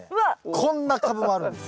こんなカブもあるんです。